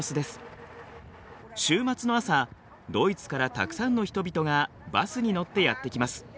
週末の朝ドイツからたくさんの人々がバスに乗ってやって来ます。